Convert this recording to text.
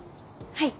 はい。